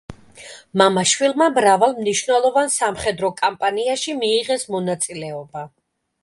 მამა-შვილმა მრავალ მნიშვნელოვან სამხედრო კამპანიაში მიიღეს მონაწილეობა.